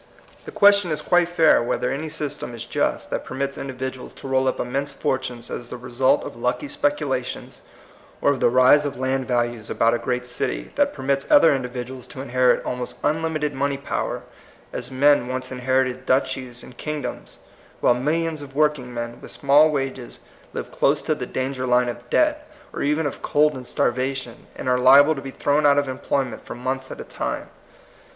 The question is i 150 THE COMING PEOPLE. quite fair whether any system is just that permits individuals to roll up immense for tunes as the result of lucky speculations, or of the rise of land values about a great city, that permits other individuals to inherit almost unlimited money power, as men once inherited duchies and kingdoms, while mil lions of workingmen, with small wages, live close to the danger line of debt, or even of cold and starvation, and are liable to be thrown out of employment for months at a time.